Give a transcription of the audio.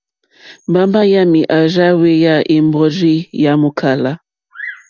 Mbamba wàami à rza hweya è mbɔrzi yà mòkala.